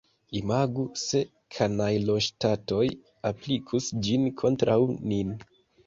Imagu se kanajloŝtatoj aplikus ĝin kontraŭ nin!